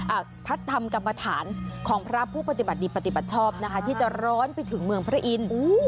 พระธรรมกรรมฐานของพระผู้ปฏิบัติดีปฏิบัติชอบนะคะที่จะร้อนไปถึงเมืองพระอินทร์